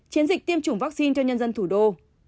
chiến dịch tiêm chủng vaccine cho nhân dân thủ đô